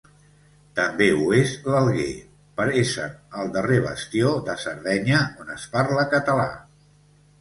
També ho és l'Alguer, per ésser el darrer bastió de Sardenya on es parla català.